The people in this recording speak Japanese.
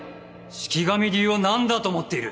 四鬼神流を何だと思っている！？